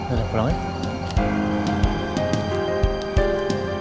udah pulang ya